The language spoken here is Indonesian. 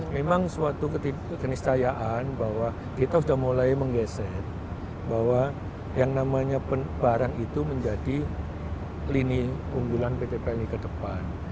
memang suatu keniscayaan bahwa kita sudah mulai menggeser bahwa yang namanya barang itu menjadi lini unggulan pt pmi ke depan